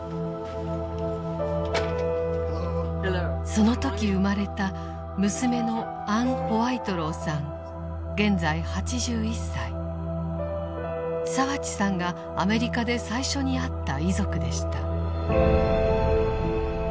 その時生まれた澤地さんがアメリカで最初に会った遺族でした。